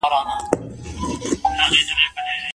د کلیو ژوند له ارامۍ ډک دی.